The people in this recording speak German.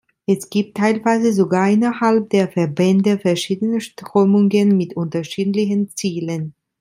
Es gibt teilweise sogar innerhalb der Verbände verschiedene Strömungen mit unterschiedlichen Zielen.